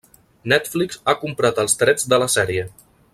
Netflix ha comprat els drets de la sèrie.